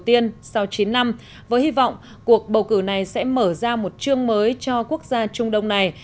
đầu tiên sau chín năm với hy vọng cuộc bầu cử này sẽ mở ra một chương mới cho quốc gia trung đông này